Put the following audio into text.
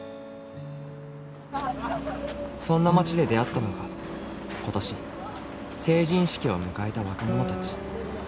そんな町で出会ったのが今年成人式を迎えた若者たち。